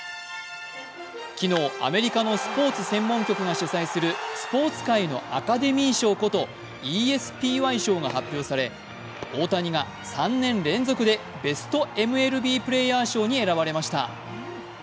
昨日、アメリカのスポーツ専門局が主催するスポーツ界のアカデミー賞ことＥＳＰＹ賞が発表され、大谷が３年連続でベストＭＬＢプレーヤー賞に選ばれました。